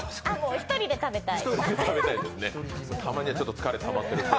１人で食べたい。